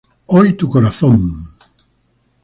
Hoy tu corazón.